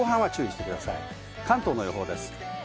関東の予報です。